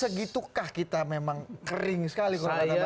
segitukah kita memang kering sekali